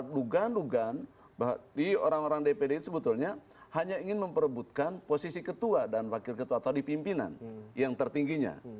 lugan lugan bahwa orang orang dpd ini sebetulnya hanya ingin memperebutkan posisi ketua dan wakil ketua atau dipimpinan yang tertingginya